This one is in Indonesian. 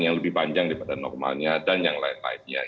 yang lebih panjang daripada normalnya dan yang lain lainnya